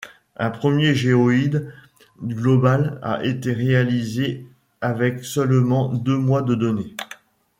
Un premier géoïde global a été réalisé avec seulement deux mois de données.